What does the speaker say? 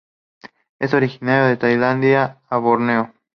Es originario de Tailandia a Borneo.